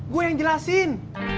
gue yang jelasin